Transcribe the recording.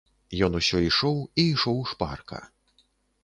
Ён усё ішоў і ішоў шпарка.